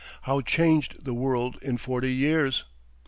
How changed the world in forty years!